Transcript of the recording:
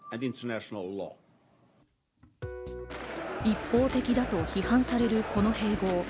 一方的だと批判されるこの併合。